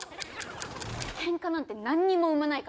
ケンカなんて何にも生まないから。